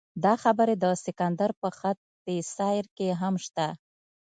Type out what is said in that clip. دا خبرې د سکندر په خط سیر کې هم شته.